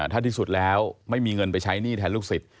ถ้าที่สุดแล้วไม่มีเงินไปใช้หนี้แทนลูกศิษย